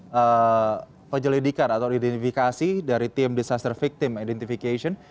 melakukan penyelidikan atau identifikasi dari tim disaster victim identification